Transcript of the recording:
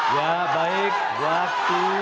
ya baik waktu